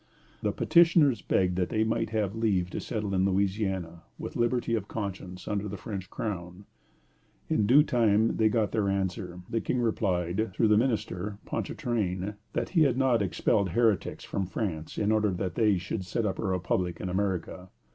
The petitioners begged that they might have leave to settle in Louisiana, with liberty of conscience, under the French Crown. In due time they got their answer. The King replied, through the minister, Ponchartrain, that he had not expelled heretics from France in order that they should set up a republic in America.